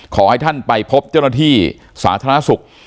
ขอให้ท่านไปพบเจ้าหน้าที่สาธารณสุข